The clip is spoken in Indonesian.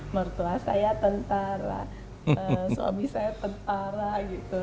mertua saya tentara suami saya tentara gitu